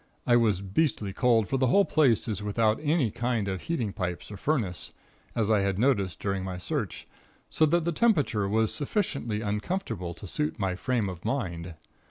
I was beastly cold, for the whole place is without any kind of heating pipes or furnace, as I had noticed during my search, so that the temperature was sufficiently uncomfortable to suit my frame of mind.